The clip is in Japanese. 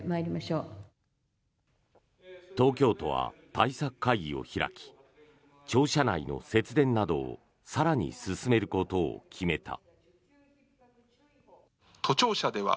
東京都は対策会議を開き庁舎内の節電などを更に進めることを決めた。